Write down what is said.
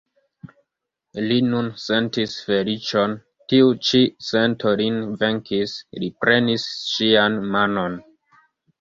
Li nun sentis feliĉon, tiu ĉi sento lin venkis, li prenis ŝian manon.